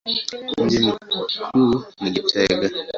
Mji mkuu ni Gitega.